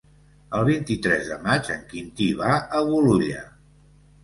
El vint-i-tres de maig en Quintí va a Bolulla.